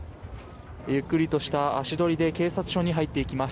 ゆっくりとした足取りで警察署に入っていきます。